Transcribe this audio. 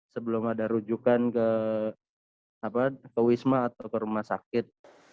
sebelum ada rujukan ke wisma atau ke rumah sakit